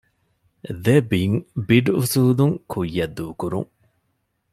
ދެ ބިން ބިޑް އުސޫލުން ކުއްޔަށް ދޫކުރުން